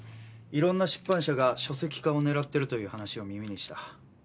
いろんな出版社が書籍化を狙ってるという話を耳にした。